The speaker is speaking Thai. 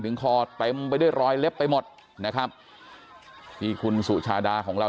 คอเต็มไปด้วยรอยเล็บไปหมดนะครับที่คุณสุชาดาของเรา